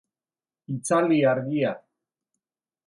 Itzali argia